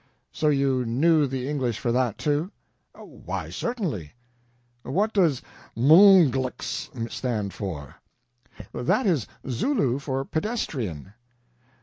"So you knew the English for that, too?" "Why, certainly." "What does 'MMBGLX' stand for?" "That is Zulu for 'pedestrian.'"